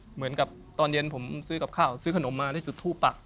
เหมือนกับตอนเย็นผมซื้อกับข้าวซื้อขนมมาได้จุดทูปปัก